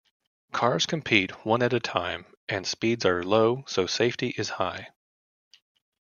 Cars compete one at a time and speeds are low so safety is high.